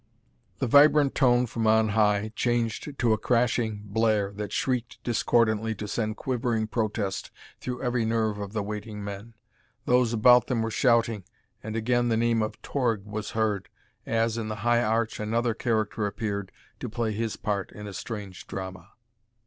The vibrant tone from on high changed to a crashing blare that shrieked discordantly to send quivering protest through every nerve of the waiting men. Those about them were shouting, and again the name of Torg was heard, as, in the high arch, another character appeared to play his part in a strange drama.